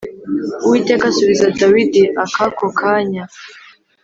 Uwiteka asubiza Dawidi akakokanya